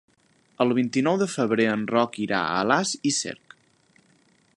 El vint-i-nou de febrer en Roc irà a Alàs i Cerc.